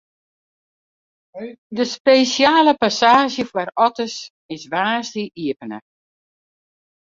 De spesjale passaazje foar otters is woansdei iepene.